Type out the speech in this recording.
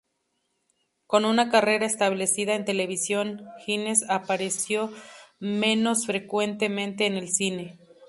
Con una carrera establecida en televisión, Hines apareció menos frecuentemente en el cine.